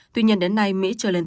tuy nhiên đến nay mỹ chưa lên tiếng